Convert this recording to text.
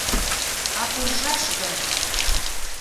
А куржаш гын?..